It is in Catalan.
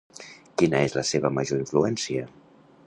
Quina és la seva major influència?